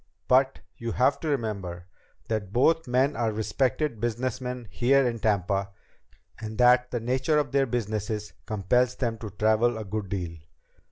But you have to remember that both men are respected businessmen here in Tampa and that the nature of their businesses compels them to travel a good deal.